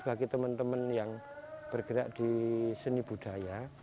bagi teman teman yang bergerak di seni budaya